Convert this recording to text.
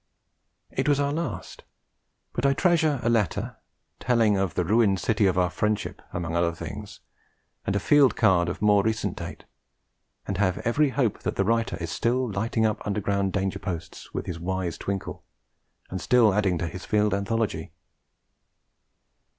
It was our last; but I treasure a letter (telling of 'the ruined city of our friendship,' among other things), and a field card of more recent date; and have every hope that the writer is still lighting up underground danger posts with his wise twinkle, and still adding to his field anthology.